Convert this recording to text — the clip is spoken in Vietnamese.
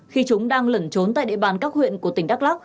khi chúng đang lẩn trốn tại địa bàn các huyện của tỉnh đắk lắc